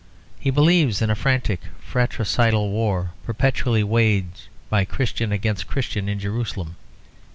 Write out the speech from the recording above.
He believes in a frantic fraticidal war perpetually waged by Christian against Christian in Jerusalem.